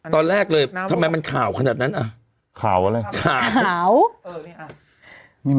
ตอนแรกเลยทำไมมันขาวขนาดนั้น